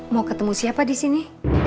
mau ketemu siapa di sini